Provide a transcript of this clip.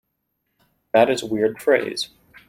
That is a weird phrase.